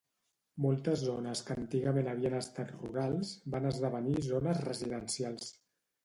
Moltes zones que antigament havien estat rurals van esdevenir zones residencials.